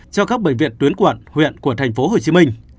cho các bệnh viện tuyến quận huyện của tp hcm